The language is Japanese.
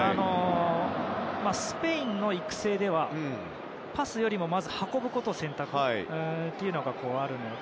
スペインの育成ではパスよりも、まず運ぶことを選択というのがあるので。